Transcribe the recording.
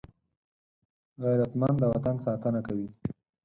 غیرتمند د وطن ساتنه کوي